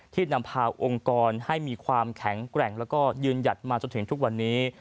นำพาองค์กรให้มีความแข็งแกร่งแล้วก็ยืนหยัดมาจนถึงทุกวันนี้